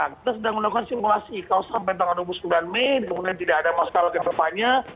kita sedang melakukan simulasi kalau sampai tanggal dua puluh sembilan mei kemudian tidak ada masalah ke depannya